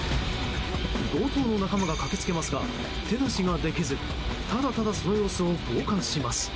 強盗の仲間が駆け付けますが手出しができずただただその様子を傍観します。